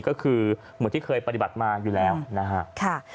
ก็คือเหมือนที่เคยปฏิบัติมาอยู่แล้วนะครับ